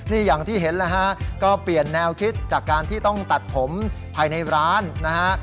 นี่อย่างที่เห็นแล้วฮะก็เปลี่ยนแนวคิดจากการที่ต้องตัดผมภายในร้านนะฮะ